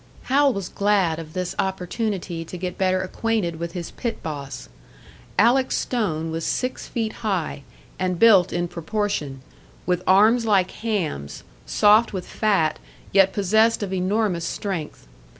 Hal was glad of this opportunity to get better acquainted with his pit boss. Alec Stone was six feet high, and built in proportion, with arms like hams soft with fat, yet possessed of enormous strength.